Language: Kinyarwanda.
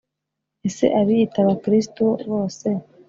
Ese abiyita Abakristo bose